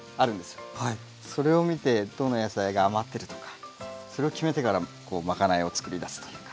それを見てどの野菜が余ってるとかそれを決めてからまかないをつくりだすというか。